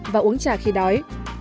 và uống trà khi đói